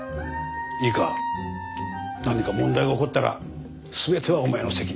いいか何か問題が起こったら全てはお前の責任だ。